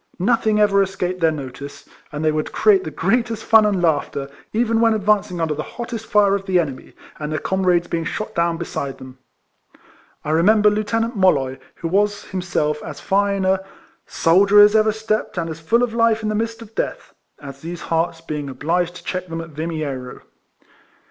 Nothing ever escaped their notice; and they would create the greatest fun and laughter, even when ad vancing under the hottest fire of the enemy, and their comrades being shot down beside them. I remember Lieutenant Molloy, Avho was himself as fine a '' soldier as ever stepped, and as full of life in the midst of death" as these Harts, being obliged to RIFLEMAN HARRIS. 133 check them at Yiniiero.